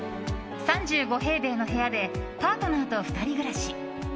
３５平米の部屋でパートナーと２人暮らし。